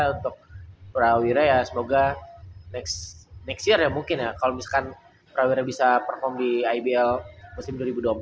untuk prawira ya semoga nex year ya mungkin ya kalau misalkan prawira bisa perform di ibl musim dua ribu dua puluh empat